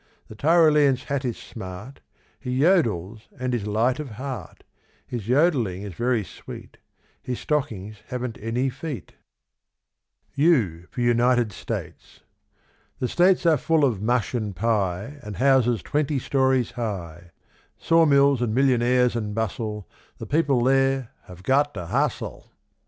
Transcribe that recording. The Tyrolean's hat is smart, He yodels and is light of heart; His yodelling is very sweet; His stockings haven't any feet. U for United States. The States are full of mush and pie And houses twenty stories high, Saw mills and millionaires and bustle; The people there "have got to hustle."